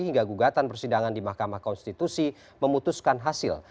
hingga gugatan persidangan di mahkamah konstitusi memutuskan hasil